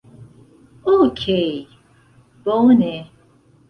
Okej' bone.